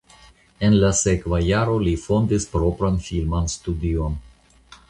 En la sekva jaro li fondis propran filman studion.